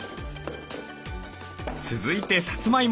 続いてさつまいも。